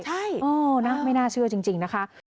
ใช่นะไม่น่าเชื่อจริงนะคะ